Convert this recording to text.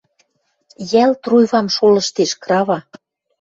Йӓл труйвам шолыштеш, крава.